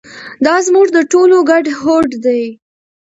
دا زموږ د ټولو ګډ هوډ دی.